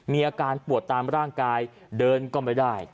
มีอาการปวดตามร่างกายเดินก็ไม่ได้